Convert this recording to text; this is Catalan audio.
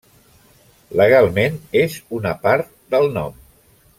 Legalment, és una part del nom.